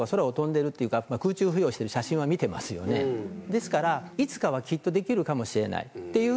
ですから。